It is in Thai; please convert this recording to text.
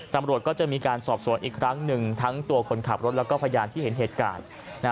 ตำรวจก็จะมีการสอบสวนอีกครั้งหนึ่งทั้งตัวคนขับรถแล้วก็พยานที่เห็นเหตุการณ์